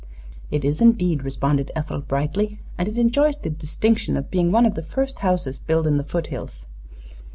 "It is, indeed," responded Ethel, brightly, "and it enjoys the distinction of being one of the first houses built in the foothills.